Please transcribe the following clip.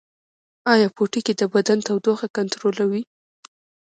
ایا پوټکی د بدن تودوخه کنټرولوي؟